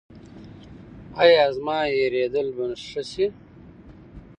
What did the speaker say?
ایا زما هیریدل به ښه شي؟